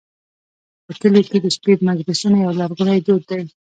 په کلیو کې د شپې مجلسونه یو لرغونی دود دی.